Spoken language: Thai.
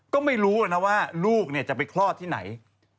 ก็ไม่รู้นะว่าลูกจะไปคลอดที่ไหน